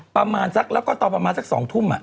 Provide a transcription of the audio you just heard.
ประมาณสักแล้วก็ตอนประมาณสัก๒ทุ่ม